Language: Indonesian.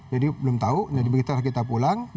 jadi belum tahu jadi begitu kita pulang